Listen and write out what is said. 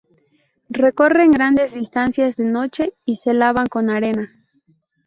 Recorren grandes distancias de noche y se lavan con arena.